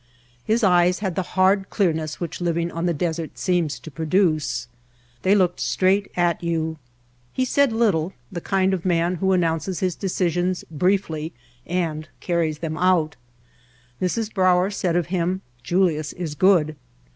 His eyes had the hard clearness which living on the desert seems to produce. They looked straight at you. He said little, the kind of man who announces his decisions briefly and carries them out. Mrs. Brauer said of him: "Julius is good."